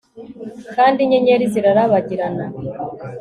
kandi inyenyeri zirarabagirana